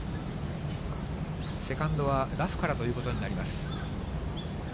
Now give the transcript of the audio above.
セカンドはラフからということになります。